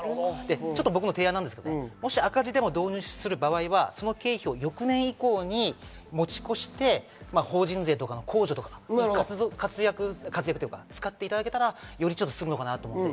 僕の提案ですけど、もし赤字でも導入する場合、その経費を翌年以降に持ち越して、法人税とかの控除とか使っていただけたらいいのかなと思います。